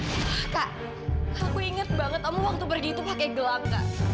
hah kak aku inget banget kamu waktu pergi itu pakai gelang kak